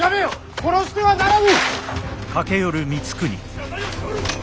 殺してはならぬ！